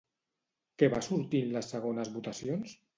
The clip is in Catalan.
Què va sortir en les segones votacions?